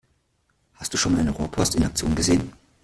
Hast du schon mal eine Rohrpost in Aktion gesehen?